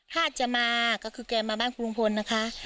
ถ้าจะมาก็คือแกมาบ้านคุณลุงพลนะคะ